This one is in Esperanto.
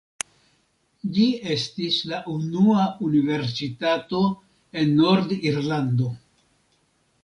Ĝi estis la unua universitato en Nord-Irlando.